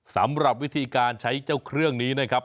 สำหรับวิธีการใช้เจ้าเครื่องนี้นะครับ